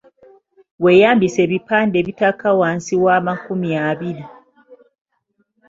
Weeyambise ebipande ebitaka wansi wa makumi abiri.